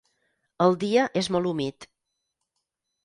El dia és molt humit.